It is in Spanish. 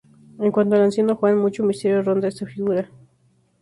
En cuanto al Anciano Juan, mucho misterio ronda a esta figura.